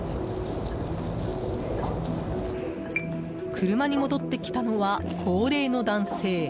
車に戻ってきたのは高齢の男性。